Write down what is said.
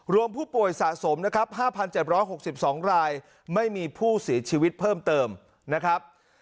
รวมผู้ป่วยสะสมนะครับ๕๗๖๒รายไม่มีผู้เสียชีวิตเพิ่มเติมนะครับ